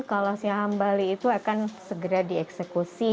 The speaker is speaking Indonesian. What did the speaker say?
kalau si hambali itu akan segera dieksekusi